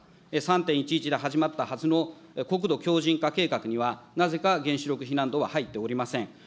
３・１１で始まったはずの国土強じん化計画には、なぜか原子力避難道は入っておりません。